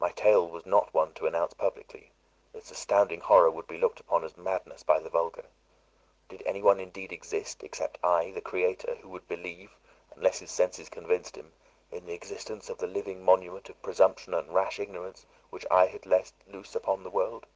My tale was not one to announce publicly; its astounding horror would be looked upon as madness by the vulgar. Did any one indeed exist, except I, the creator, who would believe, unless his senses convinced him, in the existence of the living monument of presumption and rash ignorance which I had let loose upon the world?